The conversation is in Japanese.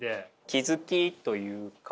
気付きというか